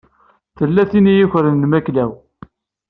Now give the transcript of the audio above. Tella tin i yukren lmakla-w.